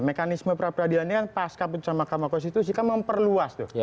mekanisme prapradilan ini kan pas kabut sama kamu konstitusi kan memperluas tuh